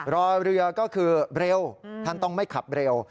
รอเรือก็คือเร็วท่านต้องไม่ขับเร็ว